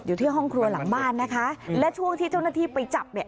อยู่ที่ห้องครัวหลังบ้านนะคะและช่วงที่เจ้าหน้าที่ไปจับเนี่ย